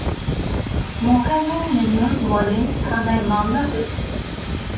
মোহাইমেনুর বলেন, থানায় মামলা হয়েছে।